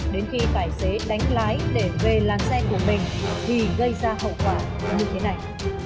đến khi tài xế đánh lái để về làn xe của mình thì gây ra hậu quả như thế này